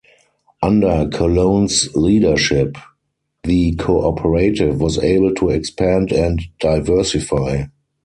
Under Colon's leadership, the cooperative was able to expand and diversify.